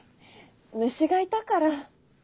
虫がいたから。